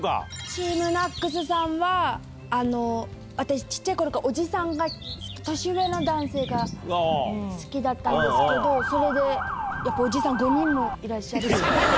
ＴＥＡＭＮＡＣＳさんは、私、ちっちゃいころからおじさんが、年上の男性が好きだったんですけど、それでやっぱりおじさん５人もいらっしゃるんで。